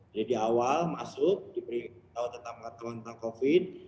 jadi di awal masuk diberi tahu tentang pengetahuan tentang covid